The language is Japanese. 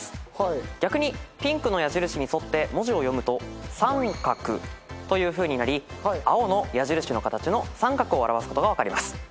逆にピンクの矢印に沿って文字を読むと。というふうになり青の矢印の形の三角を表すことが分かります。